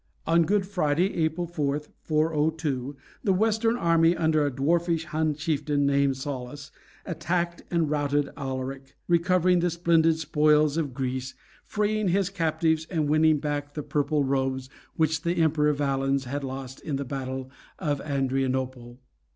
On Good Friday, April 4, 402, the Western army, under a dwarfish Hun chieftain named Saulus, attacked and routed Alaric, recovering the splendid spoils of Greece, freeing his captives, and winning back the purple robes which the Emperor Valens had lost in the battle of Adrianople.